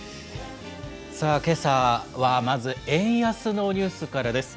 さあ、けさはまず、円安のニュースからです。